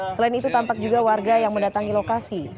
selain itu tampak juga warga yang mendatangi lokasi